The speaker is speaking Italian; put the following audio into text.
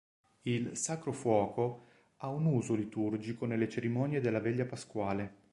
Il "sacro fuoco" ha un uso liturgico nelle cerimonie della veglia pasquale.